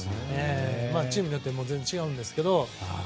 チームによっても違うんですけど。